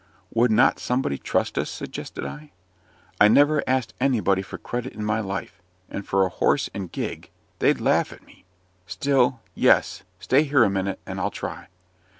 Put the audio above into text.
"Would not somebody trust us?" suggested I. "I never asked anybody for credit in my life and for a horse and gig they'd laugh at me. Still yes stay here a minute, and I'll try."